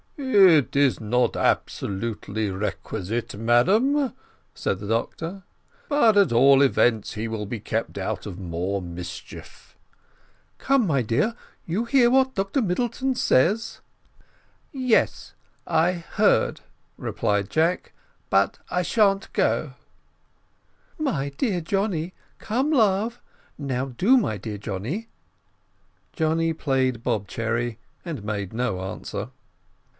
"It is not absolutely requisite, madam," said the doctor; "but at all events he will be kept out of more mischief." "Come, my dear, you hear what Dr Middleton says." "Yes, I heard," replied Jack; "but I shan't go." "My dear Johnny come, love now do, my dear Johnny." Johnny played bob cherry, and made no answer.